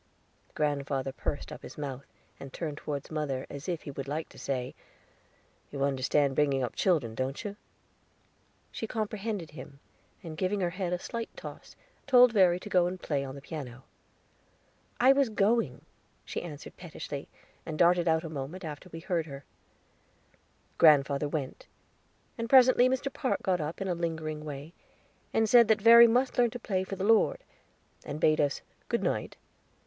Grandfather pursed up his mouth, and turned toward mother, as if he would like to say: "You understand bringing up children, don't you?" She comprehended him, and, giving her head a slight toss, told Verry to go and play on the piano. "I was going," she answered pettishly, and darting out a moment after we heard her. Grandfather went, and presently Mr. Park got up in a lingering way, said that Verry must learn to play for the Lord, and bade us "Good night."